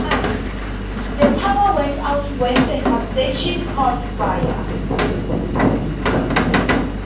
The power went out when the substation caught fire.